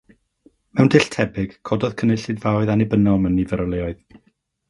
Mewn dull tebyg, cododd cynulleidfaoedd annibynnol mewn nifer o leoedd.